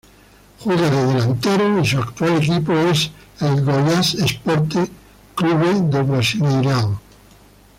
Juega de delantero y su actual equipo es el Goiás Esporte Clube del Brasileirao.